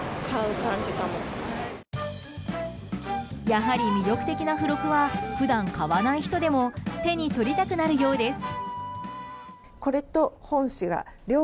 やはり魅力的な付録は普段買わない人でも手に取りたくなるようです。